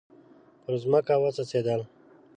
پر مځکه وڅڅیدل